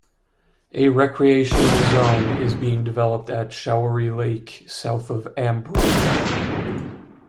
A recreational zone is being developed at Shaori Lake, south of Ambrolauri.